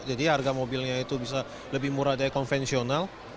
jadi harga mobilnya itu bisa lebih murah dari konvensional